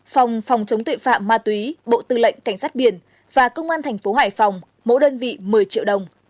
phòng phòng chống tội phạm ma túy bộ tư lệnh cảnh sát biển và công an thành phố hải phòng mỗi đơn vị một mươi triệu đồng